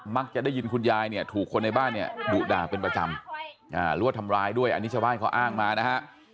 มักจะได้ยินคุณยายเนี่ยถูกคนในบ้านเนี่ยดุด่าเป็นประจำหรือว่าทำร้ายด้วยอันนี้ชาวบ้านเขาอ้างมานะฮะ